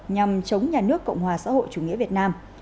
nhằm chống nhà nước cộng hòa xã hội chủ nghĩa việt nam